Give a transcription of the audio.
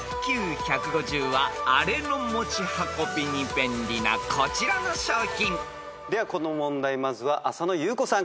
［ＩＱ１５０はあれの持ち運びに便利なこちらの商品］ではこの問題まずは浅野ゆう子さんから。